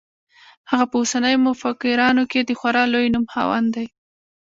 هغه په اوسنیو مفکرانو کې د خورا لوی نوم خاوند دی.